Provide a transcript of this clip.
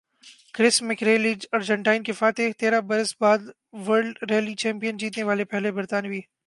کرس McRae ریلی ارجنٹائن کے فاتح تیرہ برس بعد ورلڈ ریلی چیمپئن جیتنے والے پہلے برطانوی